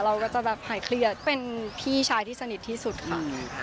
เราก็จะแบบหายเครียดเป็นพี่ชายที่สนิทที่สุดค่ะ